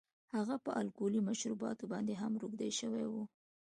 هغه په الکولي مشروباتو باندې هم روږدی شوی و